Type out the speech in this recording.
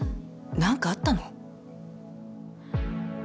何かあったの？